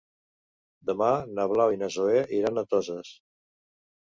Demà na Blau i na Zoè iran a Toses.